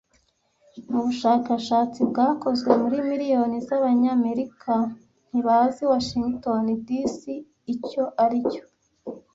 Mu bushakashatsi bwakozwe muri miliyoni z'Abanyamerika ntibazi Washington DC icyo aricyo